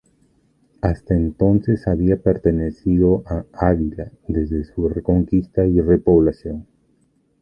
Hasta entonces había pertenecido a Ávila desde su reconquista y repoblación.